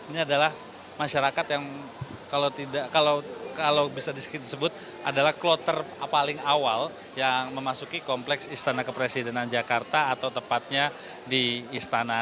ini adalah masyarakat yang kalau bisa disebut adalah kloter paling awal yang memasuki kompleks istana kepresidenan jakarta atau tepatnya di istana